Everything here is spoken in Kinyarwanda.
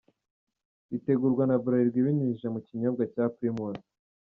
Ritegurwa na Bralirwa ibinyujije mu kinyobwa cya Primus.